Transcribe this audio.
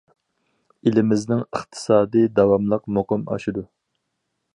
ئېلىمىزنىڭ ئىقتىسادىي داۋاملىق مۇقىم ئاشىدۇ.